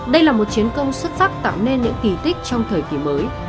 đây là một chiến công xuất sắc tạo nên những kỳ tích trong thời kỳ mới